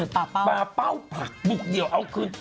ปลาเป้าปลาเป้าปักปุกเดียวเอาคืน